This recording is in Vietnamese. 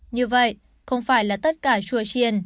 như vậy không phải là tất cả chùa triền